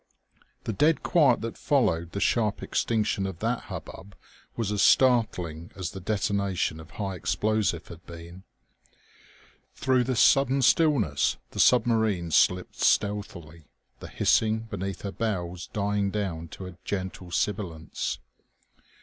The dead quiet that followed the sharp extinction of that hubbub was as startling as the detonation of high explosive had been. Through this sudden stillness the submarine slipped stealthily, the hissing beneath her bows dying down to gentle sibilance.